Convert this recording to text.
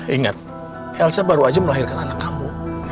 ingat elsa baru aja melahirkan anak kamu